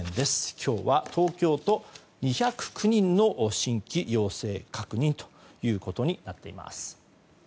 今日は東京都、２０９人の新規陽性確認となっています。